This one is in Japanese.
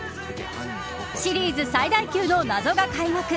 シリーズ最大級の謎が開幕。